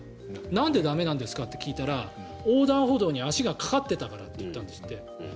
なんで駄目なんですか？と聞いたら横断歩道に足がかかっていたからだと言ったんですって。